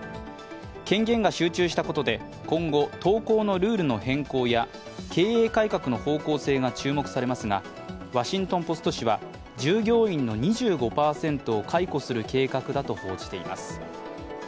権限が集中したことで今後、投稿のルールの変更や経営改革の方向性が注目されますが、「ワシントン・ポスト」紙は、従業員の２５％を解雇する計画だと報じています。